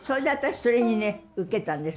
それにね受けたんです。